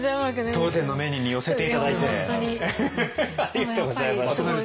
当店のメニューに寄せて頂いてありがとうございます。